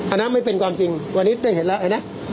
อันนั้นไม่เป็นความจริงวันนี้ได้เห็นแล้วไอ้นะ